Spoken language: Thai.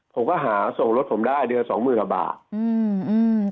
ผมก็หาส่งรถผมได้เดือน๒๐๐๐บาท